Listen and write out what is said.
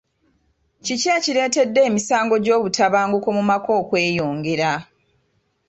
Kiki ekireetedde emisango gy'obutabanguko mu maka okweyongera?